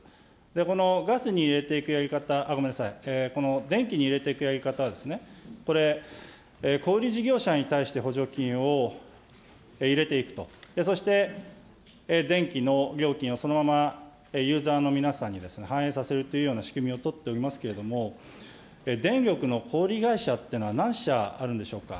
このガスに入れていくやり方、ごめんなさい、この電気に入れていくやり方は、これ、小売り事業者に対して補助金を入れていくと、そして電気の料金をそのままユーザーの皆さんに反映させるというような仕組みを取っておりますけれども、電力の小売り会社っていうのは何社あるんでしょうか。